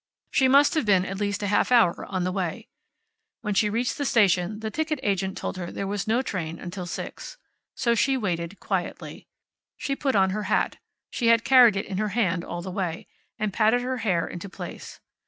She must have been at least a half hour on the way. When she reached the station the ticket agent told her there was no train until six. So she waited, quietly. She put on her hat (she had carried it in her hand all the way) and patted her hair into place.